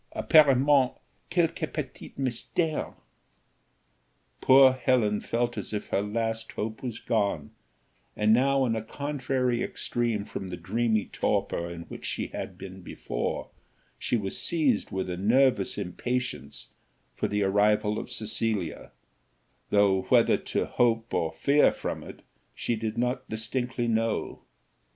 Apparemment quelque petit mystère." Poor Helen felt as if her last hope was gone, and now in a contrary extreme from the dreamy torpor in which she had been before, she was seized with a nervous impatience for the arrival of Cecilia, though whether to hope or fear from it, she did not distinctly know.